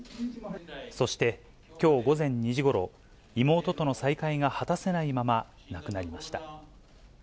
そして、きょう午前２時ごろ、妹との再会が果たせないまま、亡くなりました。